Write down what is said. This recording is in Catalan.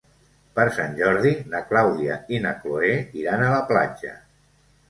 Per Sant Jordi na Clàudia i na Cloè iran a la platja.